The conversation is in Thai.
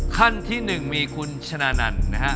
ขั้นที่๑มีคุณชนะนันต์นะฮะ